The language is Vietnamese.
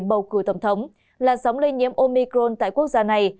ubnd tp hcm bầu cử tổng thống là sống lây nhiễm omicron tại quốc gia này